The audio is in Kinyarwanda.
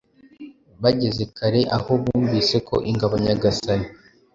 Bageze kare aho bumvise ko ingabo-nyagasani